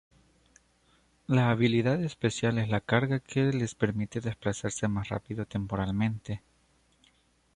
La habilidad especial es la "carga", que les permite desplazarse más rápido temporalmente.